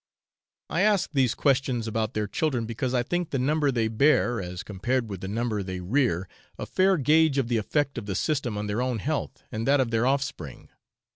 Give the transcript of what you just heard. I ask these questions about their children because I think the number they bear as compared with the number they rear a fair gauge of the effect of the system on their own health and that of their offspring.